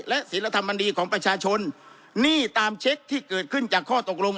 และศิลธรรมดีของประชาชนหนี้ตามเช็คที่เกิดขึ้นจากข้อตกลง